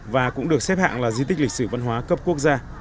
và cũng được xếp hạng là di tích lịch sử văn hóa cấp quốc gia